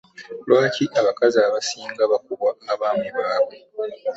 Lwaki abakazi abasinga bakubwa abaami baabwe?